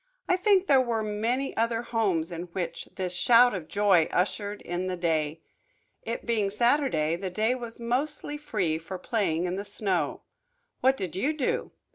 I think there were many other homes in which this shout of joy ushered in the day. It being Saturday the day was mostly free for playing in the snow. What did you do?